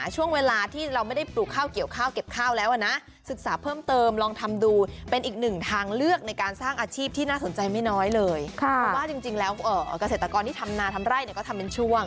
จริงแล้วเกษตรกรที่ทำนาทำได้ทำเป็นช่วง